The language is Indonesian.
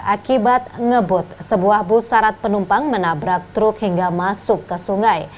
akibat ngebut sebuah bus syarat penumpang menabrak truk hingga masuk ke sungai